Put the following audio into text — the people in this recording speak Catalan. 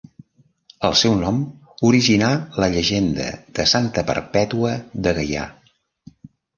El seu nom originà la llegenda de Santa Perpètua de Gaià.